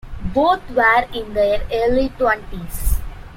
Both were in their early twenties.